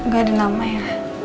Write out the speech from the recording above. gak ada nama ya